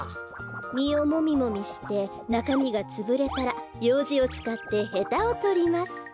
みをもみもみしてなかみがつぶれたらようじをつかってヘタをとります。